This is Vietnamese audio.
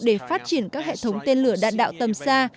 để phát triển các hệ thống tên lửa đạn đạo tầm xa